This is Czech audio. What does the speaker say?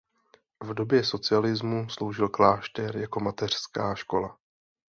V době socialismu sloužil klášter jako mateřská škola.